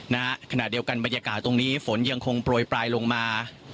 ณขณะเดียวกันบรรยากาศตรงนี้ฝนยังคงโปรยปลายลงมา